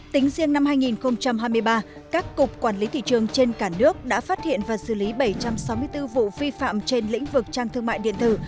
tính riêng năm hai nghìn hai mươi ba các cục quản lý thị trường trên cả nước đã phát hiện và xử lý bảy trăm sáu mươi bốn vụ vi phạm trên lĩnh vực trang thương mại điện tử